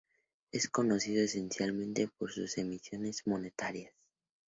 Es conocido esencialmente por sus emisiones monetarias.